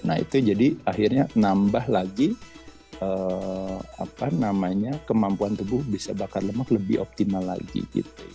nah itu jadi akhirnya nambah lagi kemampuan tubuh bisa bakar lemak lebih optimal lagi gitu